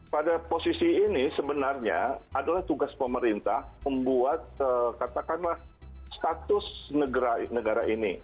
pada posisi ini sebenarnya adalah tugas pemerintah membuat katakanlah status negara ini